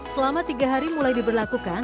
selama tiga hari mulai diberlakukan